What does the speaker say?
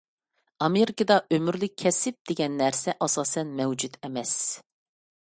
ئامېرىكىدا «ئۆمۈرلۈك كەسىپ» دېگەن نەرسە ئاساسەن مەۋجۇت ئەمەس.